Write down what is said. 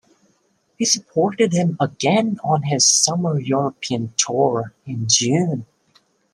He supported him again on his summer European Tour in June.